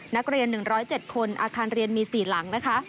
นักเรียน๑๐๗คนอาคารเรียนมี๔หลังนะคะ